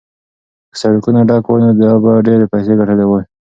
که سړکونه ډک وای نو ده به ډېرې پیسې ګټلې وای.